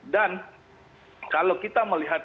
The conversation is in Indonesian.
dan kalau kita melihat